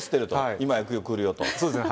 今いくよ・くるよと。